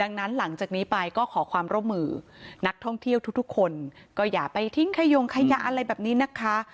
ดังนั้นหลังจากนี้ไปก็ขอความร่วมมือนักท่องเที่ยวทุกทุกคนก็อย่าไปทิ้งขยงขยะอะไรแบบนี้นะคะ